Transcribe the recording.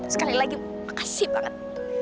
sekali lagi makasih banget